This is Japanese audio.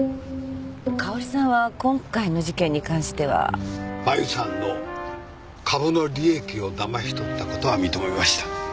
香織さんは今回の事件に関しては？マユさんの株の利益をだまし取ったことは認めました。